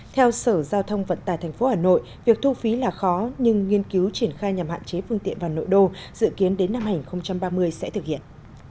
theo sở giao thông vận tài tp hà nội việc thu phí là khó nhưng nghiên cứu triển khai nhằm hạn chế phương tiện vào nội đô dự kiến đến năm hai nghìn ba mươi sẽ thực hiện